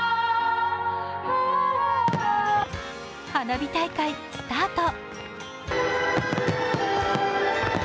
花火大会スタート。